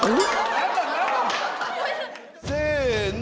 せの。